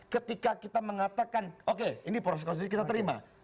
ketika kita mengatakan oke ini proses konstitusi kita terima